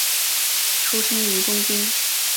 出生于东京。